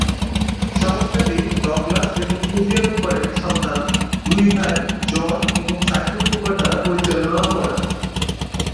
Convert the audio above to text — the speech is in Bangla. সংস্থাটি ডগলাস এবং সুফিয়া কুপারের সন্তান দুই ভাই জন এবং সাইমন কুপার দ্বারা পরিচালনা করেন।